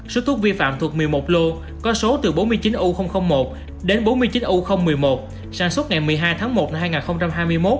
số thuốc vi phạm thuộc một mươi một lô có số từ bốn mươi chín u một đến bốn mươi chín u một mươi một sản xuất ngày một mươi hai tháng một năm hai nghìn hai mươi một